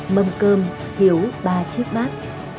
mâm cơm thiếu ba chiếc bát